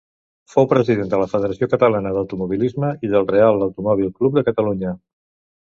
Fou president de la Federació Catalana d'Automobilisme i del Reial Automòbil Club de Catalunya.